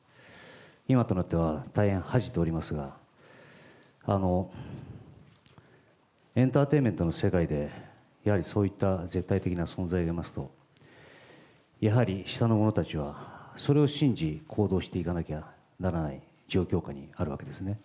今となっては大変恥じておりますが、エンターテインメントの世界で、やはりそういった絶対的な存在がありますと、やはり下の者たちは、それを信じ、行動していかなければならない状況下にあるわけですね。